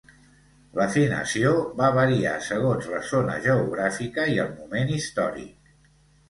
L'afinació va variar segons la zona geogràfica i el moment històric.